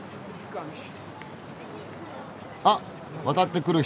あっ渡ってくる人